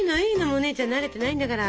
お姉ちゃん慣れてないんだから。